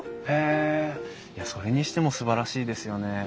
へえいやそれにしてもすばらしいですよね。